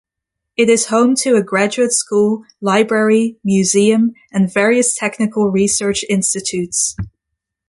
It is home to a graduate school, library, museum, and various technical research institutes.